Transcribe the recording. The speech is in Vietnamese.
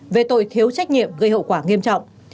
về tội thiếu trách nhiệm gây hậu quả nghiêm trọng